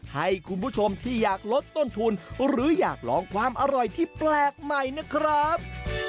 ให้คุณผู้ชมที่อยากลดต้นทุนหรืออยากลองความอร่อยที่แปลกใหม่นะครับ